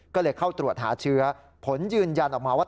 ก็เลยเข้าตรวจหาเชื้อผลยืนยันออกมาว่า